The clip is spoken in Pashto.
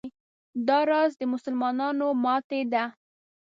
دا راز د مسلمانانو ماتې ده.